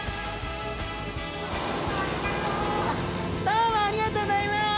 どうもありがとうギョざいます！